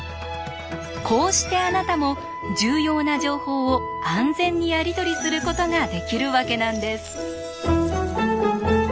こうしてあなたも重要な情報を安全にやり取りすることができるわけなんです。